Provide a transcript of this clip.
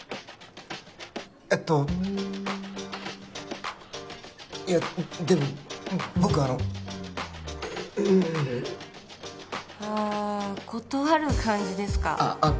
えっといやでも僕あのうーんあ断る感じですかあっあっ